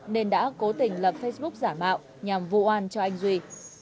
nên đã cố tình lập facebook giả mạo nhằm vụ an cho anh duy